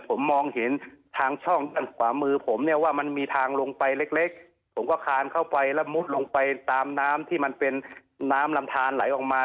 ผมมองเห็นทางช่องด้านขวามือผมเนี่ยว่ามันมีทางลงไปเล็กผมก็คานเข้าไปแล้วมุดลงไปตามน้ำที่มันเป็นน้ำลำทานไหลออกมา